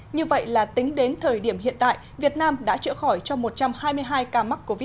như vậy là tính đến thời điểm hiện tại việt nam đã chữa khỏi cho một trăm hai mươi hai ca mắc covid một mươi chín